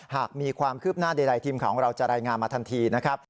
หากมีความคืบหน้าใดทีมข่าวของเราจะรายงานมาทันทีนะครับ